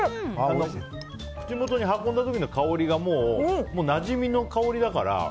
口元に運んだ時の香りがなじみの香りだから。